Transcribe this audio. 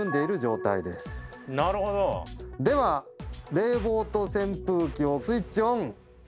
冷房と扇風機をスイッチオン！